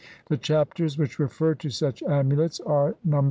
The Chapters which refer to such amulets are Nos.